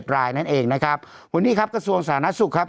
๑๐๗รายนั่นเองนะครับวันนี้ครับกระทรวงศาลนักศึกษ์ครับ